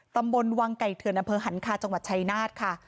ตำบลวังไก่เถือนอศหันคาจชัยนาศค่ะ